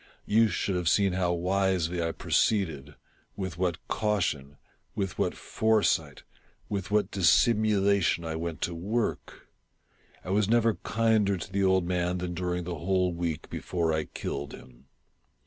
You should have seen how wisely I proceeded — with what caution — with what foresight — with what dissimulation I went to work ! I was never kinder to the old man than during the whole week before I killed him.